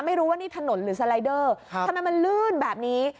ไม่รู้ว่านี่ถนนหรือสไลเดอร์ทำไมมันลื่นแบบนี้